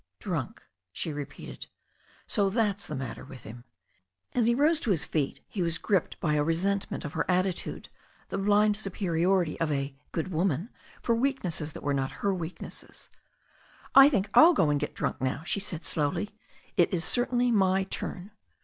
"Drunk I" she repeated. "So that's the matter with him I" • As he rose to his feet he was gripped by a resentment of her attitude, the blind superiority of a "good woman" for weaknesses that were not her weaknesses. "I think I'll go and get drunk now," she said slowly. ''It is certainly my turn."